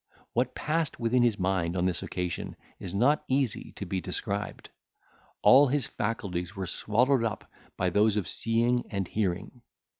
What passed within his mind on this occasion is not easy to be described. All his faculties were swallowed up by those of seeing and hearing.